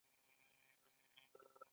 په مني کې انار او مڼې راځي.